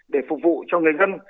để phục vụ cho người dân